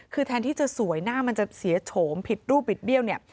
คือแทนที่จะสวยหน้ามันจะเสียโฉมผิดรูปบิดเบี้ยวเนี่ย